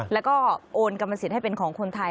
แล้วก็โอนกรรมสิทธิ์ให้เป็นของคนไทย